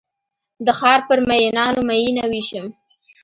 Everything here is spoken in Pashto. د ښارپر میینانو میینه ویشم